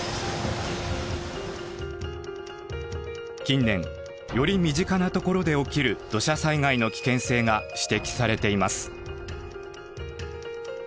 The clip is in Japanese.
近年より身近なところで起きる土砂災害の危険性が指摘されています。